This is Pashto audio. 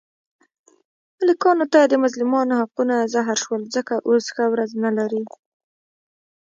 ملکانو ته د مظلومانو حقونه زهر شول، ځکه اوس ښه ورځ نه لري.